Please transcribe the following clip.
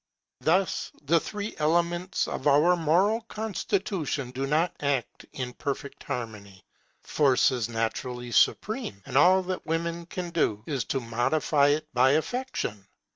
Thus the three elements of our moral constitution do not act in perfect harmony. Force is naturally supreme, and all that women can do is to modify it by affection.